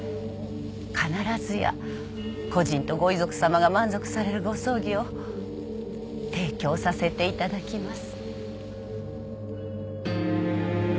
必ずや故人とご遺族さまが満足されるご葬儀を提供させていただきます。